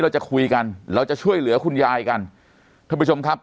เราจะคุยกันเราจะช่วยเหลือคุณยายกันท่านผู้ชมครับ